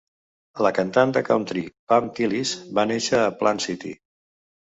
La cantant de country Pam Tillis va néixer a Plant City.